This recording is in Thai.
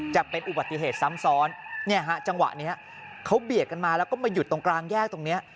จะเป็นอุบัติเหตุซ้ำซ้อนเนี่ยฮะจังหวะนี้เขาเบียดกันมาแล้วก็มาหยุดตรงกลางแยกตรงนี้